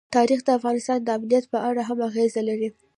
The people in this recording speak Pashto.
تاریخ د افغانستان د امنیت په اړه هم اغېز لري.